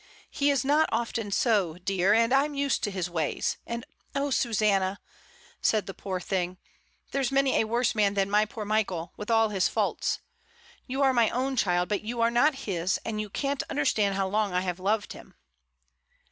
"He is not often so, dear, and Fm used to his ways; and oh, Susanna!" said the poor thing, "there's many a worse man than my poor Michael, with all his faults. You are my own child; but you are not his, and you can't understand how long I have loved him."